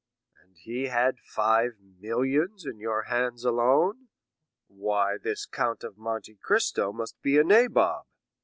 "And he had five millions in your hands alone! Why, this Count of Monte Cristo must be a nabob?"